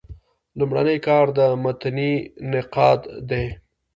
لومړنی کار د متني نقاد دﺉ.